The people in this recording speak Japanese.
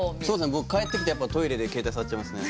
僕帰ってきてやっぱトイレで携帯触っちゃいますね。